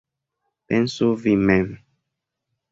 Pensu vi mem!